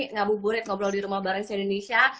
ngabuburit ngobrol di rumah bareng si indonesia